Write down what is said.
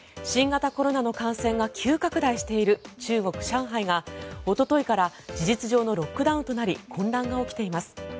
新型コロナの感染が急拡大している中国・上海がおとといから事実上のロックダウンとなり混乱が起きています。